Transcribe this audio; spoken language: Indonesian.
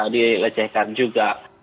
dia lecehkan juga